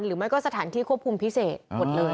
หรือไม่ก็สถานที่ควบคุมพิเศษหมดเลย